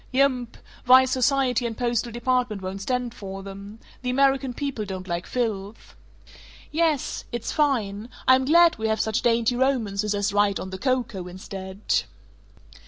"Yump. Vice Society and Postal Department won't stand for them. The American people don't like filth." "Yes. It's fine. I'm glad we have such dainty romances as 'Right on the Coco' instead."